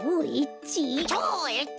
超Ｈ？